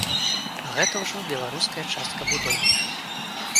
А гэта ўжо беларуская частка будоўлі.